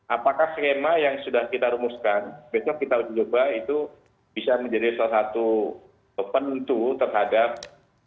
apakah skema yang sudah kita rumuskan besok kita uji coba itu bisa menjadi salah satu penentu terhadap